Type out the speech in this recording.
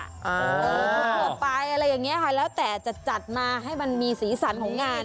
ทั่วไปอะไรอย่างนี้ค่ะแล้วแต่จะจัดมาให้มันมีสีสันของงาน